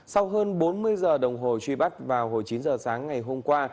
sau hơn bốn mươi giờ đồng hồ truy bắt vào hồi chín giờ sáng ngày hôm qua